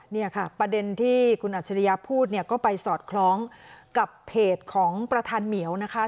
เนี่ยค่ะประเด็นที่คุณอัจฉริยะพูดเนี่ยก็ไปสอดคล้องกับเพจของประธานเหมียวนะคะ